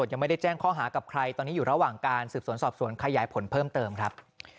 ด้วยยายตามใจอีกคนเดี๋ยวจะด่วนแล้วไปยายข้อหลังก่อน